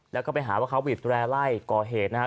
แล้วก็ไปหาเขาวิดแรร์ไล่ก็เหตุนะครับ